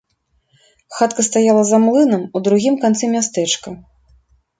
Хатка стаяла за млынам у другім канцы мястэчка.